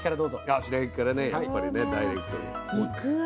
あ白焼きからねやっぱりねダイレクトに。